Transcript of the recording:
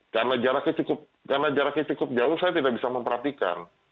karena jaraknya cukup jauh saya tidak bisa memperhatikan